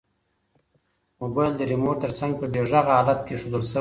موبایل د ریموټ تر څنګ په بې غږه حالت کې ایښودل شوی دی.